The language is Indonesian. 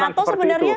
memang seperti itu